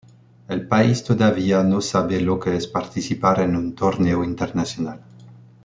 El país todavía no sabe lo que es participar en un torneo internacional.